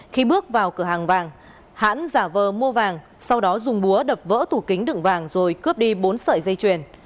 khi bước vào cửa hàng vàng hãn giả vờ mua vàng sau đó dùng búa đập vỡ tủ kính đựng vàng rồi cướp đi bốn sợi dây chuyền